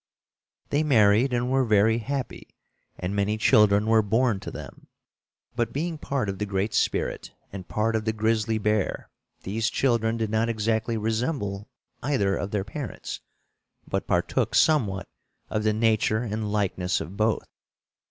They married and were very happy, and many children were born to them. But, being part of the Great Spirit and part of the grizzly bear, these children did not exactly resemble either of their parents, but partook somewhat of the nature and likeness of both.